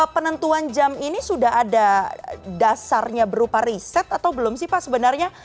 penentuan jam ini sudah ada dasarnya berupa riset atau belum sih pak sebenarnya